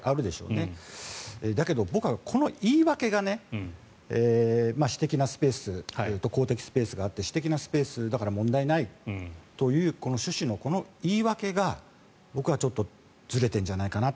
だけど、僕はこの言い訳が私的なスペースと公的スペースがあって私的なスペースだから問題ないという趣旨のこの言い訳が僕はちょっとずれてるんじゃないかな